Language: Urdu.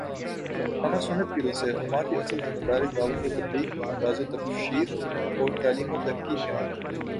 قرآن و سنت کی رو سے علما کی اصل ذمہ داری دعوت و تبلیغ، انذار و تبشیر اور تعلیم و تحقیق ہے